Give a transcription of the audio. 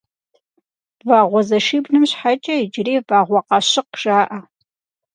Вагъуэзэшиблым щхьэкӏэ иджыри Вагъуэкъащыкъ жаӏэ.